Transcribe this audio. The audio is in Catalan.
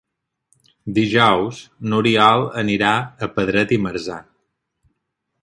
Dijous n'Oriol anirà a Pedret i Marzà.